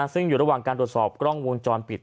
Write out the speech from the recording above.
ซึ่งอยู่ระหว่างการตรวจสอบกล้องวงจรปิด